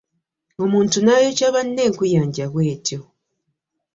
Omutnu n'ayokya banne enkuyanja bwetyo .